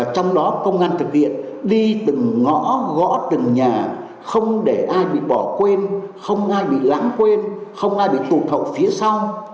trong đó công an thực hiện đi từng ngõ gõ từng nhà không để ai bị bỏ quên không ai bị lãng quên không ai bị tụt hậu phía sau